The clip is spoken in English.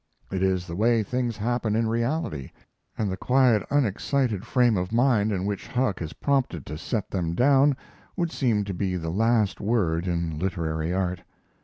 It is the way things happen in reality; and the quiet, unexcited frame of mind in which Huck is prompted to set them down would seem to be the last word in literary art.